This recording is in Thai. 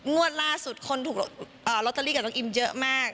งวดล่าสุดคนถูกลอตเตอรี่กับน้องอิมเยอะมาก